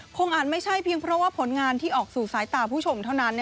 อาจไม่ใช่เพียงเพราะว่าผลงานที่ออกสู่สายตาผู้ชมเท่านั้น